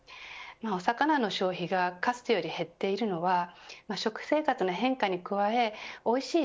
お魚の消費がかつてより減っているのは食生活の変化に加え美味しい